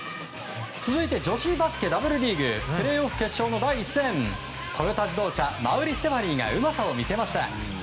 続いて女子バスケＷリーグプレーオフ決勝の第１戦トヨタ自動車馬瓜ステファニーがうまさを見せました。